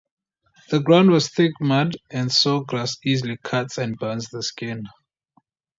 The ground was thick mud, and sawgrass easily cuts and burns the skin.